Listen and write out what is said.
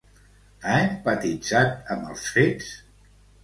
Ha empatitzat amb els fets?